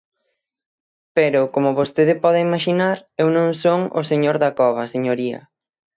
Pero, como vostede pode imaxinar, eu non son o señor Dacova, señoría.